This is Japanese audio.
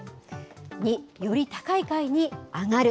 ２、より高い階に上がる。